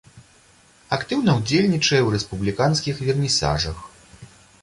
Актыўна ўдзельнічае ў рэспубліканскіх вернісажах.